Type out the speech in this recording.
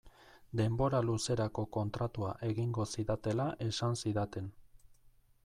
Denbora luzerako kontratua egingo zidatela esan zidaten.